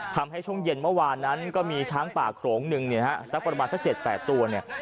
ช่วงเย็นเมื่อวานนั้นก็มีช้างป่าโขลงหนึ่งเนี่ยฮะสักประมาณสัก๗๘ตัวเนี่ย